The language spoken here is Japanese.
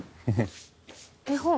絵本？